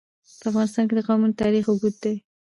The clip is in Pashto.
په افغانستان کې د قومونه تاریخ اوږد دی.